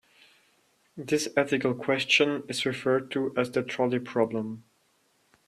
This ethical question is referred to as the trolley problem.